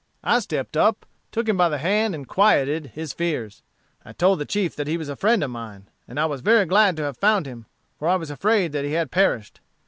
I stepped up, took him by the hand, and quieted his fears. I told the chief that he was a friend of mine, and I was very glad to have found him, for I was afraid that he had perished.